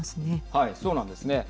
そうなんですね。